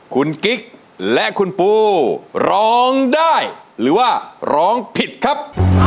คุณกิ๊กและคุณปูร้องได้หรือว่าร้องผิดครับ